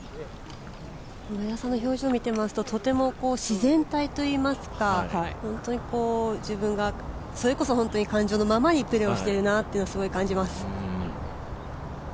上田さんの表情を見ていますととても自然体といいますか、本当に自分がそれこそ感情のままにプレーをしているなとすごく感じます。